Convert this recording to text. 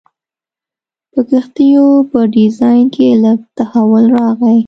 په کښتیو په ډیزاین کې لږ تحول راغی.